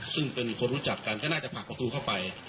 ซึ่งเป็นคนรู้จักกันก็น่าจะผลักประตูเข้าไป